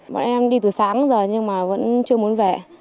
bọn em đi từ sáng giờ nhưng mà vẫn chưa muốn về